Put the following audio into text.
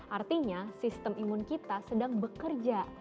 artinya sistem imun kita sedang bekerja